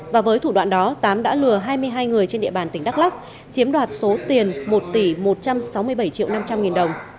và với thủ đoạn đó tám đã lừa hai mươi hai người trên địa bàn tỉnh đắk lắc chiếm đoạt số tiền một tỷ một trăm sáu mươi bảy triệu năm trăm linh nghìn đồng